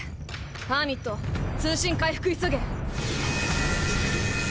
ハーミット通信回復急げ。